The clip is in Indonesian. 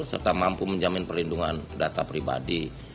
serta mampu menjamin perlindungan data pribadi